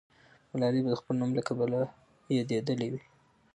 ملالۍ به د خپل نوم له کبله یادېدلې وي.